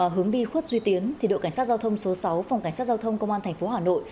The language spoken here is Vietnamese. hướng đi khuất duy tiến đội cảnh sát giao thông số sáu phòng cảnh sát giao thông công an tp hà nội